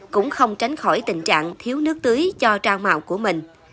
cũng không tránh khỏi tình trạng thiếu nước tưới cho rau màu của mình